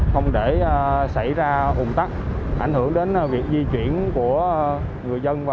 không để xảy ra ủng tắc ảnh hưởng đến việc di chuyển của người dân và